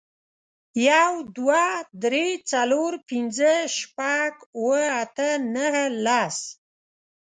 یو، دوه، درې، څلور، پنځه، شپږ، اوه، اته، نهه، لس.